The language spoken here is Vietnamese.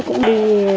cháu vẫn đi kiểm